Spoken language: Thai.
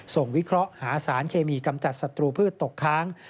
วิเคราะห์หาสารเคมีกำจัดศัตรูพืชตกค้าง